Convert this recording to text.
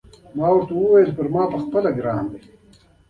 ما ورته وویل: پر ما خپله ګران دی.